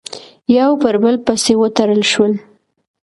یو پر بل پسې وتړل شول،